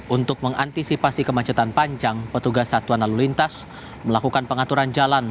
untuk mengantisipasi kemacetan panjang petugas satuan lalu lintas melakukan pengaturan jalan